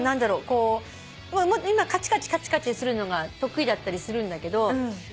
こう今カチカチするのが得意だったりするんだけど。